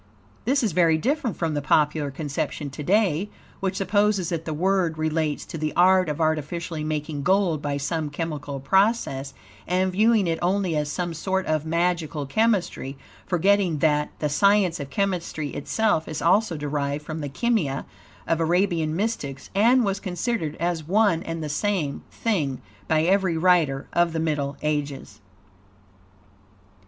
This is very different from the popular conception to day, which supposes that the word relates to the art of artificially making gold by some chemical process, and viewing it only as some sort of magical chemistry, forgetting that, the science of chemistry itself is also derived from the Kimia of Arabian mystics, and was considered as one and the same thing by every writer of the Middle Ages.